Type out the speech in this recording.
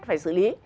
phải xử lý